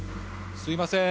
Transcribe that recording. すいませーん！